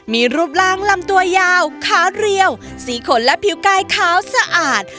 มีรูปร่างลำตัวยาวขาเรียวสีขนและผิวกายขาวสะอาด